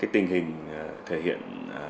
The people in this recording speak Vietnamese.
tình hình thể hiện